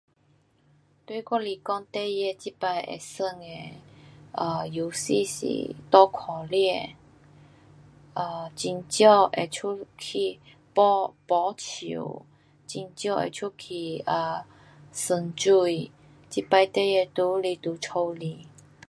对我来讲，孩儿这次会玩的啊游戏是搭脚车，um 很少有出去爬，爬树，很少有出去 um 玩水，这次孩儿都是在家里。